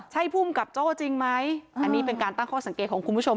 ใช่ภูมิกับโจ้จริงไหมอันนี้เป็นการตั้งข้อสังเกตของคุณผู้ชม